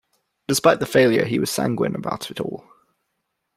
Despite the failure, he was sanguine about it all.